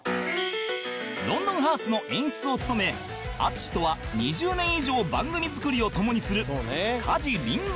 『ロンドンハーツ』の演出を務め淳とは２０年以上番組作りを共にする加地倫三